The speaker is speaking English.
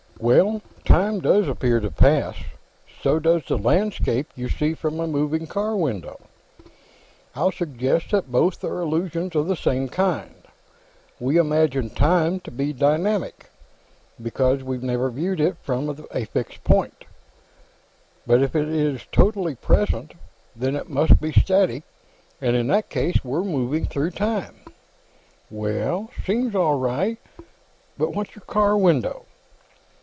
"Well, time does appear to pass. So does the landscape you see from a moving car window. I'll suggest that both are illusions of the same kind. We imagine time to be dynamic, because we've never viewed it from a fixed point, but if it is totally present, then it must be static, and in that case, we're moving through time." "That seems all right. But what's your car window?"